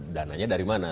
dananya dari mana